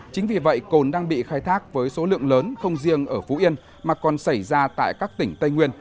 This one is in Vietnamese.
chính vì vậy cồn đang bị khai thác với số lượng lớn không riêng ở phú yên mà còn xảy ra tại các tỉnh tây nguyên